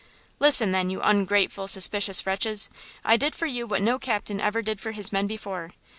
"Listen, then, you ungrateful, suspicious wretches! I did for you what no captain ever did for his men before!